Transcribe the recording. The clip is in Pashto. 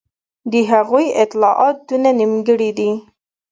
د هغوی اطلاعات دونه نیمګړي دي.